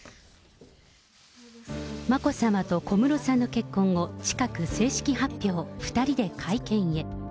眞子さまと小室さんの結婚を、近く正式発表、２人で会見へ。